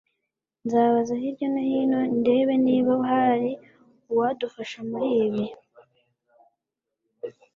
Nzabaza hirya no hino ndebe niba hari uwadufasha muri ibi